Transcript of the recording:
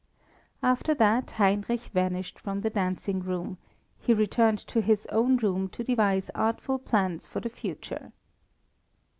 After that Heinrich vanished from the dancing room, he returned to his own room to devise artful plans for the future.